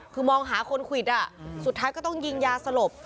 คือมองหาคนควิดสุดท้ายก็ต้องยิงยาสลบ